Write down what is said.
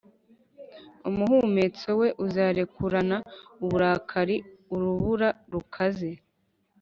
umuhumetso we uzarekurana uburakari urubura rukaze